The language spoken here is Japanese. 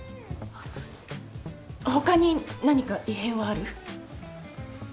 あっ他に何か異変はある？